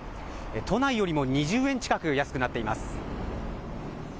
都内よりも２０円近く安くなっています。